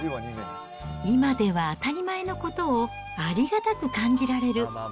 今では当たり前のことを、ありがたく感じられる。